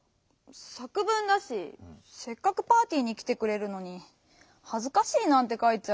さくぶんだしせっかくパーティーにきてくれるのに「はずかしい」なんてかいちゃ。